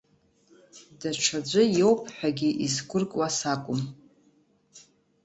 Даҽаӡәы иоупҳәагьы изқәыркуа сакәым.